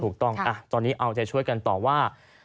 ถูกต้องตอนนี้เอาใจช่วยกันต่อว่า